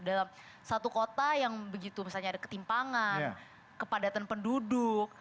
dalam satu kota yang begitu misalnya ada ketimpangan kepadatan penduduk